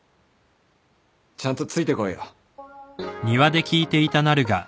ちゃんとついてこいよ。